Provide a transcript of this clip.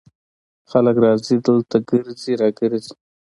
خلک راځي دلته ګرځي را ګرځي.